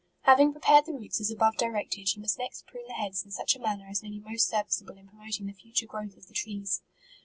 Having prepared the roots as above direct ed, vou must next prune the heads in such a D 38 MARCH. manner as may be most serviceable in pro moting the future growth of the trees.